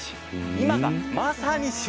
今がまさに旬。